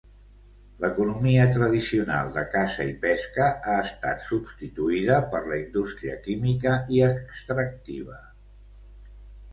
L'economia tradicional de caça i pesca ha estat substituïda per la indústria química i extractiva.